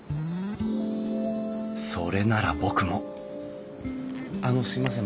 それなら僕もあのすいません。